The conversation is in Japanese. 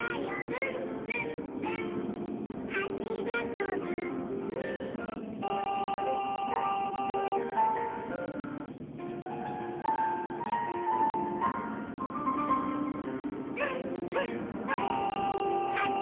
「ぶんぶんぶんはちがとぶ」「ぶんぶんぶんはちがとぶ」